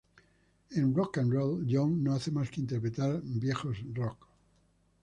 En "Rock 'n' Roll", John no hace más que interpretar viejo "rock".